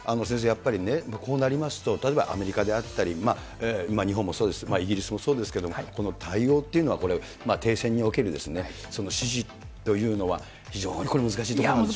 やっぱりね、こうなりますと、例えばアメリカであったり、まあ日本もそうです、イギリスもそうですけれども、この対応というのは、停戦における支持というのは、非常に難しいところですよね。